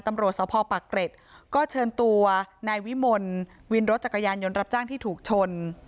ตำรวจสภปากเกร็ดก็เชิญตัวนายวิมลวินรถจักรยานยนต์รับจ้างที่ถูกชน